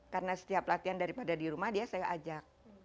karena setiap latihan daripada di rumah dia saya ajak